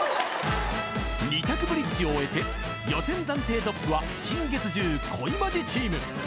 ［２択ブリッジを終えて予選暫定トップは新月１０恋マジチーム］